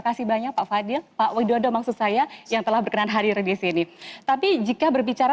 kasih banyak pak fadil pak widodo maksud saya yang telah berkenan hadir di sini tapi jika berbicara